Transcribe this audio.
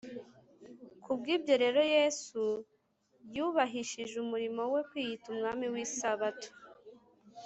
ku bw’ibyo rero yesu yubahishije umurimo we kwiyita “umwami w’isabato